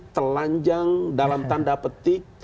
terlanjang dalam tanda petik